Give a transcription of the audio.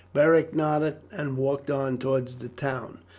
Beric nodded and walked on towards the town.